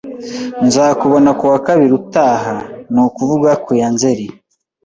Nzakubona ku wa kabiri utaha, ni ukuvuga ku ya Nzeri